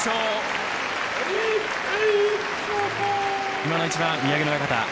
今の一番、宮城野親方。